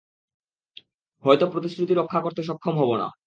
হয়তো প্রতিশ্রুতি রক্ষা করতে সক্ষম হব না।